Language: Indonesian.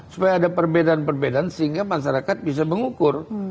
supaya ada perbedaan perbedaan sehingga masyarakat bisa mengukur